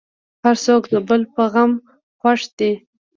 هر څوک د بل په غم خوښ دی.